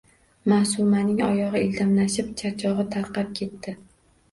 Maʼsumaning oyogʼi ildamlashib, charchogʼi tarqab ketdi.